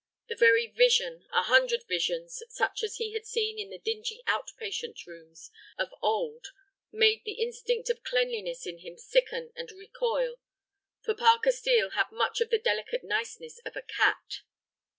The very vision, a hundred visions such as he had seen in the dingy "out patient rooms" of old, made the instinct of cleanliness in him sicken and recoil. For Parker Steel had much of the delicate niceness of a cat.